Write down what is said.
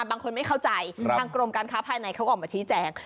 บางคนไม่เข้าใจทางกรมการค้าภายในเขาก็ออกมาชี้แจง